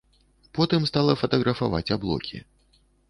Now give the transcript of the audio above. Потым стала фатаграфаваць аблокі.